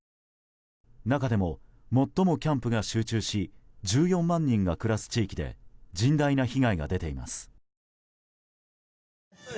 中でも最もキャンプが集中し１４万人が暮らす地域で甚大な被害が出ています。